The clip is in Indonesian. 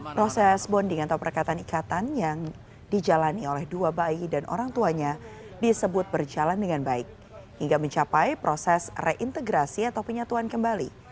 proses bonding atau perkatan ikatan yang dijalani oleh dua bayi dan orang tuanya disebut berjalan dengan baik hingga mencapai proses reintegrasi atau penyatuan kembali